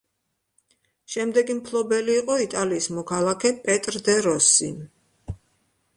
შემდეგი მფლობელი იყო იტალიის მოქალაქე პეტრ დე როსი.